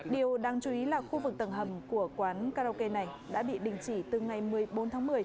điều đáng chú ý là khu vực tầng hầm của quán karaoke này đã bị đình chỉ từ ngày một mươi bốn tháng một mươi